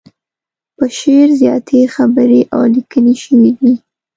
په شعر زياتې خبرې او ليکنې شوي دي.